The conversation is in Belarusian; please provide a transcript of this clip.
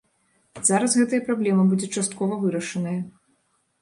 Зараз гэтая праблема будзе часткова вырашаная.